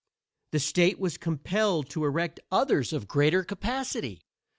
The state was compelled to erect others of greater capacity."